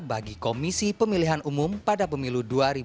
bagi komisi pemilihan umum pada pemilu dua ribu dua puluh